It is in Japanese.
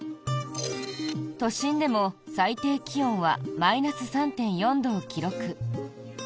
都心でも最低気温はマイナス３．４度を記録。